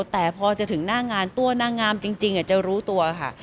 แต่พอจะถึงหน้างานตัวนางงามจริงจะรู้ตัวค่ะ